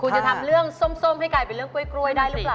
คุณจะทำเรื่องส้มให้กลายเป็นเรื่องกล้วยได้หรือเปล่า